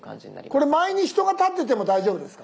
これ前に人が立ってても大丈夫ですか？